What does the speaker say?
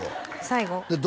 最後？